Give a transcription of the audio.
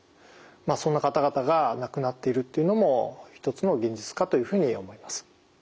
そんな方々が亡くなっているっていうのも一つの現実かというふうに思います。